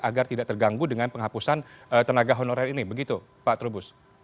agar tidak terganggu dengan penghapusan tenaga honorer ini begitu pak trubus